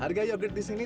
harga yogurt di sini